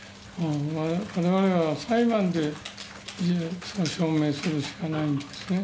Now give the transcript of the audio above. われわれは裁判で事実を証明するしかないんですね。